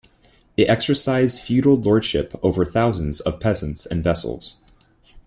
It exercised feudal lordship over thousands of peasants and vassals.